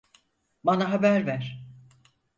Bana haber ver.